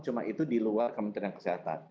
cuma itu di luar kementerian kesehatan